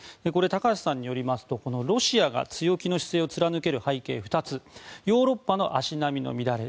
高橋さんによりますと、ロシアが強気の姿勢を貫ける背景にはヨーロッパの足並みの乱れ。